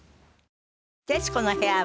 『徹子の部屋』は